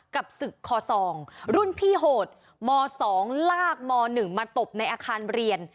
กับศึกคอซองรุ่นพี่โหดม๒ลากม๑มาตบในอาคารเรียน